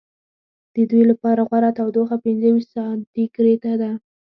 د دوی لپاره غوره تودوخه پنځه ویشت سانتي ګرېد ده.